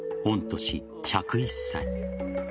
御年１０１歳。